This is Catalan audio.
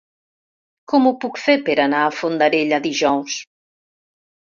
Com ho puc fer per anar a Fondarella dijous?